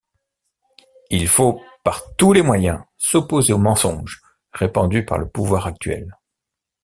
Il faut, par tous les moyens, s’opposer aux mensonges répandus par le pouvoir actuel.